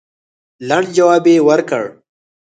لنډ جواب یې ورکړ.